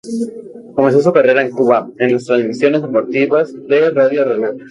Comenzó su carrera en Cuba en las transmisiones deportivas de Radio Reloj.